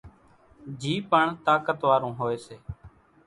جھِي پڻ طاقت وارون هوئيَ سي۔